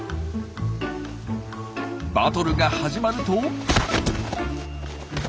バトルが始まると。